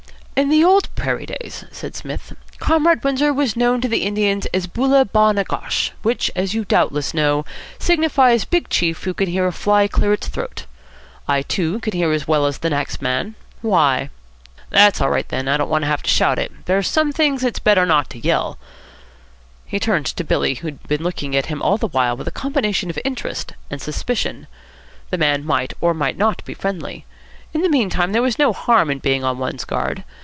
"In the old prairie days," said Psmith, "Comrade Windsor was known to the Indians as Boola Ba Na Gosh, which, as you doubtless know, signifies Big Chief Who Can Hear A Fly Clear Its Throat. I too can hear as well as the next man. Why?" "That's all right, then. I don't want to have to shout it. There's some things it's better not to yell." He turned to Billy, who had been looking at him all the while with a combination of interest and suspicion. The man might or might not be friendly. In the meantime, there was no harm in being on one's guard.